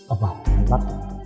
âm vào bắt